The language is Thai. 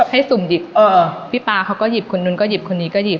สุ่มดิบพี่ป๊าเขาก็หยิบคนนู้นก็หยิบคนนี้ก็หยิบ